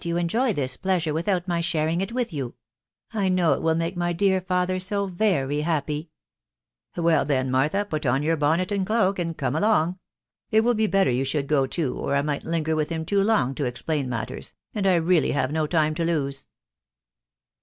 yt» enjoy tele* pleasure without my sharing it with you llniWAt'wWBsnfce* *ir dear father so very happy !",{ Well, then, Martha^ put on your bonnet and cloak, and* come along,;,. .... it will be better you. should go too, o»jI might linger with him too long to.explaia.niatAers, and Lrealty have no time to lose/' The.